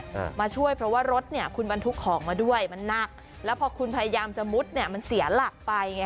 มาช่วยเพราะว่ารถเนี้ยคุณบรรทุกของมาด้วยมันหนักแล้วพอคุณพยายามจะมุดเนี้ยมันเสียหลักไปไง